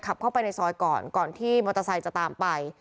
เข้าไปในซอยก่อนก่อนที่มอเตอร์ไซค์จะตามไป